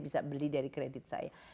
lebih dari kredit saya